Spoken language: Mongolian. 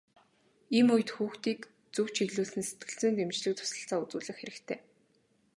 Ийм үед хүүхдийг зөв чиглүүлэн сэтгэл зүйн дэмжлэг туслалцаа үзүүлэх хэрэгтэй.